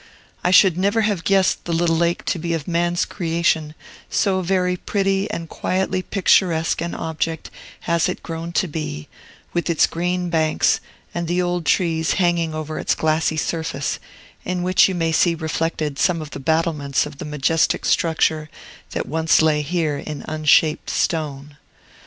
I should never have guessed the little lake to be of man's creation, so very pretty and quietly picturesque an object has it grown to be, with its green banks, and the old trees hanging over its glassy surface, in which you may see reflected some of the battlements of the majestic structure that once lay here in unshaped stone.